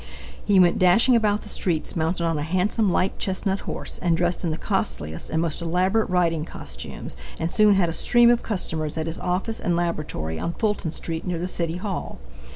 He went dashing about the streets mounted on a handsome light chestnut horse, and dressed in the costliest and most elaborate riding costumes, and soon had a stream of customers at his office and laboratory on Fulton street, near the City Hall.